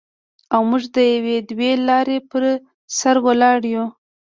او موږ د یوې دوې لارې پر سر ولاړ یو.